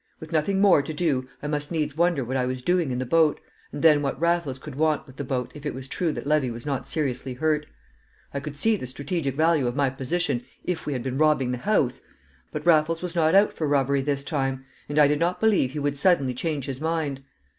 With nothing more to do I must needs wonder what I was doing in the boat, and then what Raffles could want with the boat if it was true that Levy was not seriously hurt. I could see the strategic value of my position if we had been robbing the house, but Raffles was not out for robbery this time; and I did not believe he would suddenly change his mind.